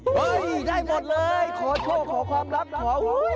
เฮ้ยได้หมดเลยขอโทษขอความรับขออุ้ย